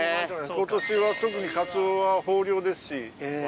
今年は特にカツオは豊漁ですし。